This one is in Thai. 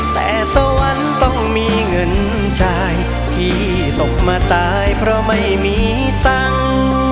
แต่สวรรค์ต้องมีเงินชายพี่ตกมาตายเพราะไม่มีตังค์